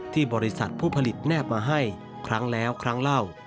ที่บริษัทผู้ผลิตแนบมาให้ครั้งแล้วครั้งเล่า